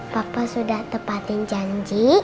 papa sudah tepatin janji